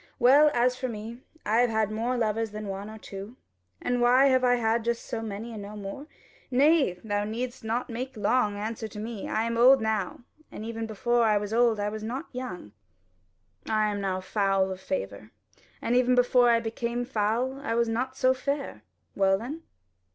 Well, as for me, I have had more lovers than one or two. And why have I had just so many and no more? Nay, thou needest not make any long answer to me. I am old now, and even before I was old I was not young: I am now foul of favour, and even before I became foul, I was not so fair well then?"